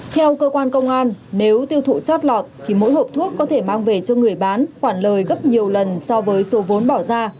theo cơ quan công an nếu tiêu thụ chót lọt thì mỗi hộp thuốc có thể mang về cho người bán khoản lời gấp nhiều lần so với số vốn bỏ ra